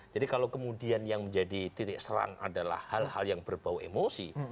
jadi kalau kemudian yang menjadi titik serang adalah hal hal yang berbau emosi